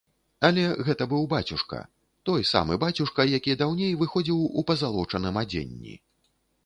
Але, гэта быў бацюшка, той самы бацюшка, які даўней выходзіў у пазалочаным адзенні.